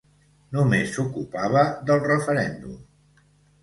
Només s’ocupava del referèndum.